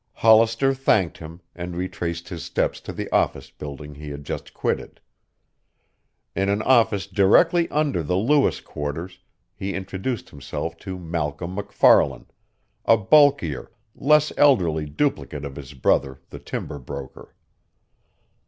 Hollister thanked him, and retraced his steps to the office building he had just quitted. In an office directly under the Lewis quarters he introduced himself to Malcolm MacFarlan, a bulkier, less elderly duplicate of his brother the timber broker.